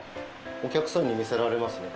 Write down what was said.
お客さんに見せられますね